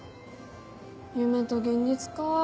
夢と現実か。